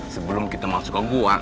sebelum kita masuk ke gua